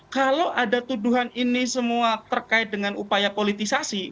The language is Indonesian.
kalau ada tuduhan ini semua terkait dengan upaya politisasi